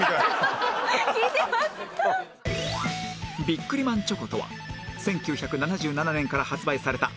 ビックリマンチョコとは１９７７年から発売されたシール付きのお菓子